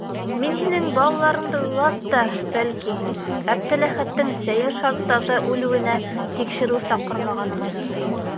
Мин һинең балаларыңды уйлап та, бәлки, Әптеләхәттең сәйер шарттарҙа үлеүенә тикшереү саҡырмағанмындыр...